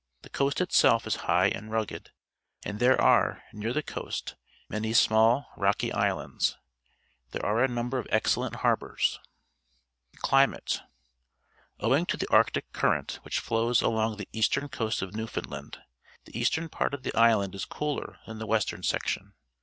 The coast itself is high and rugged, and there ai'e, near the coast, many small, rocky islands. There are a number of excellent harbours. 124 PUBLIC SCHOOL GEOGRAPHY Climate. — Owing to the Arctic Current which flows along the eastern coast of New foundland, the eastern part of the island js cooler than the western section.